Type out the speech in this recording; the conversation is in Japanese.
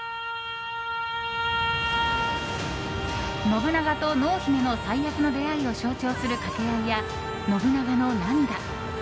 信長と濃姫の最悪の出会いを象徴する掛け合いや信長の涙。